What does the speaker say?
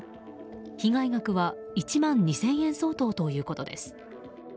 被害額は１万２０００円相当ということです。